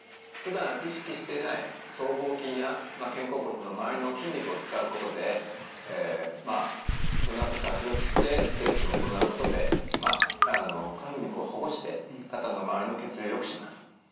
ふだん意識していない僧帽筋や肩甲骨の周りの筋肉を使うことでまあそのあと脱力してストレッチも行うことで筋肉をほぐして肩の周りの血流をよくします。